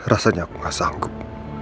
rasanya aku gak sanggup